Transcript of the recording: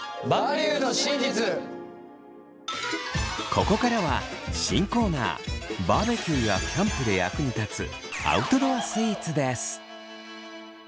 ここからは新コーナーバーベキューやキャンプで役に立つアウトドアスイーツです。